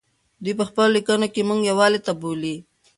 دی په خپلو لیکنو کې موږ یووالي ته بولي.